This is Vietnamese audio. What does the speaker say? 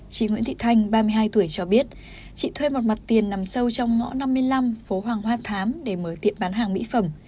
chị nguyễn thị thanh ba mươi hai tuổi cho biết chị thuê một mặt tiền nằm sâu trong ngõ năm mươi năm phố hoàng hoa thám để mở tiệm bán hàng mỹ phẩm